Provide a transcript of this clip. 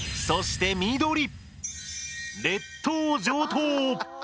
そして緑。